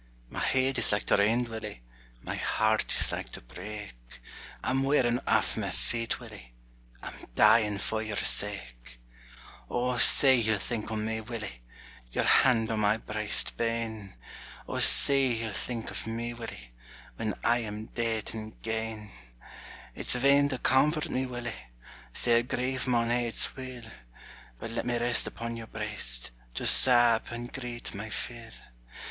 My heid is like to rend, Willie, My heart is like to break; I'm wearin' aff my feet, Willie, I'm dyin' for your sake! O, say ye'll think on me, Willie, Your hand on my briest bane, O, say ye'll think of me, Willie, When I am deid and gane! It's vain to comfort me, Willie, Sair grief maun ha'e its will; But let me rest upon your briest To sab and greet my fill.